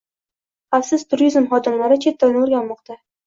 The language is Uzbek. “Xavfsiz turizm” xodimlari chet tilini oʻrganmoqda